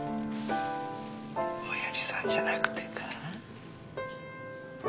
親父さんじゃなくてか？